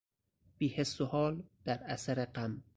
بیحس و حال در اثر غم